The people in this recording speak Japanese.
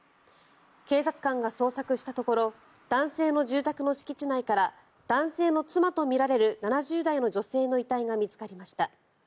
警察官が捜索したところ男性の住宅の敷地内から男性の妻とみられる７０代の女性の遺体が見つかりました。